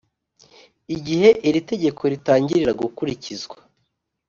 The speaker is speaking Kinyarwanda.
igihe iri tegeko ritangirira gukurikizwa